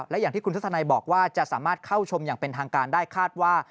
และอย่างที่คุณทัศนัยบอกว่าจะสามารถเข้าชมอย่างเป็นทางการได้คาดว่า